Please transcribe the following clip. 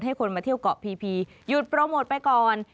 ให้คนมาเที่ยวก่อพีหยุดโปรโมทไปก่อน